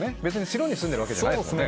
城に住んでるわけじゃないですよね。